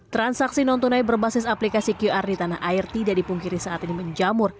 transaksi non tunai berbasis aplikasi qr di tanah air tidak dipungkiri saat ini menjamur